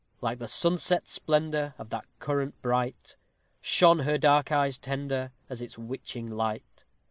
Like the sunset splendor Of that current bright, Shone her dark eyes tender As its witching light.